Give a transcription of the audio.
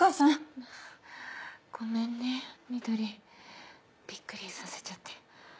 ごめんねみどりびっくりさせちゃって。